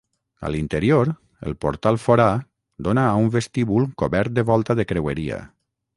A l'interior el portal forà dóna a un vestíbul cobert de volta de creueria.